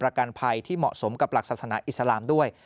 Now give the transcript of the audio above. ประกันภัยที่เหมาะสมกับหลักศาสนาอิสลามด้วย